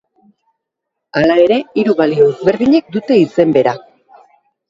Hala ere hiru balio ezberdinek dute izen bera.